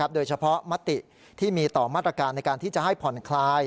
มติที่มีต่อมาตรการในการที่จะให้ผ่อนคลาย